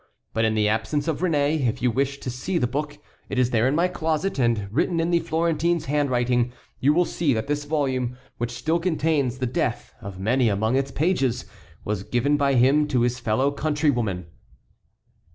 But in the absence of Réné if you wish to see the book it is there in my closet, and written in the Florentine's handwriting you will see that this volume, which still contains the death of many among its pages, was given by him to his fellow countrywoman."